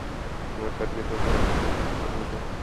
মনকে আবার বৃথা তর্কের দ্বারা চঞ্চল করা উচিত নহে।